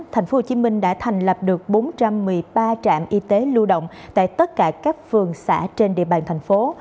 tp hcm đã thành lập được bốn trăm một mươi ba trạm y tế lưu động tại tất cả các phường xã trên địa bàn thành phố